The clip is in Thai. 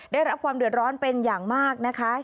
ได้รับความเดือดร้อนเป็นอย่างมากนะคะ